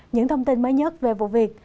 những thông tin mới nhất về vụ việc